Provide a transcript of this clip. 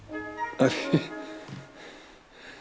あれ？